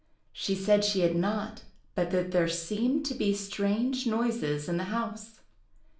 She said she had not, but that there seemed to be strange noises in the house.